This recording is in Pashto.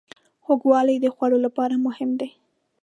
خوږوالی د خوړو لپاره مهم دی.